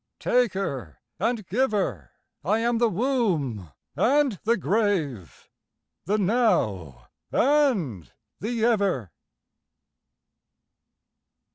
Taker and giver, I am the womb and the grave, The Now and the Ever.